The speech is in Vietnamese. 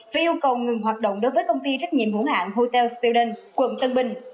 và yêu cầu ngừng hoạt động đối với công ty trách nhiệm hủng hạng hotel students quận tân bình